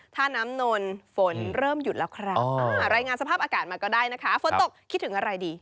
ท่าน้ำนนฝนเริ่มหยุดแล้วครับรายงานสภาพอากาศมาก็ได้นะคะฝนตกคิดถึงอะไรดี